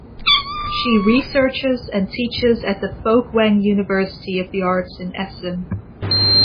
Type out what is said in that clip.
She researches and teaches at the Folkwang University of the Arts in Essen.